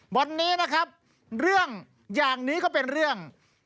วันนี้นะครับเรื่องอย่างนี้ก็เป็นเรื่อง